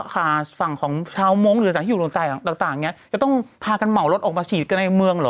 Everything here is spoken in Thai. ค่ะฝั่งของชาวมงค์หรือจากที่อยู่รวมใจต่างเนี่ยจะต้องพากันเหมารถออกมาฉีดกันในเมืองเหรอ